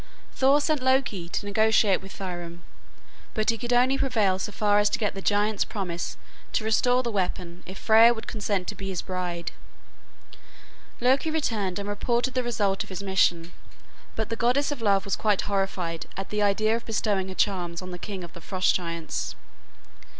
Thor sent Loki to negotiate with Thrym, but he could only prevail so far as to get the giant's promise to restore the weapon if Freya would consent to be his bride. Loki returned and reported the result of his mission, but the goddess of love was quite horrified at the idea of bestowing her charms on the king of the Frost giants.